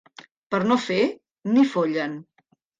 Per no fer ni follen.